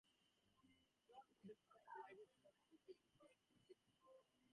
"Jo Jo Dancer, Your Life is Calling" received mixed reviews from critics.